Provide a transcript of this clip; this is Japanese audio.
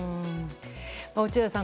落合さん